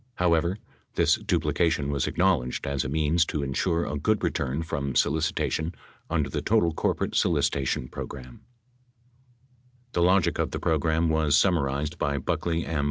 However, this duplication was acknowledged as a means to insure a good return from solicitation under the total corporate solicitation program. 7 The logic of the program was summarized by Buckley M.